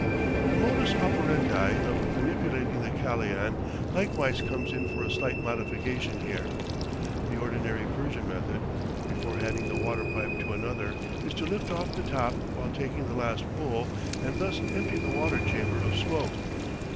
The modus operandi of manipulating the kalian likewise comes in for a slight modification here. The ordinary Persian method, before handing the water pipe to another, is to lift off the top while taking the last pull, and thus empty the water chamber of smoke.